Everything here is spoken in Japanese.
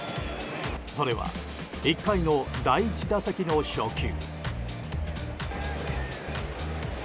それは１回の第１打席の初球。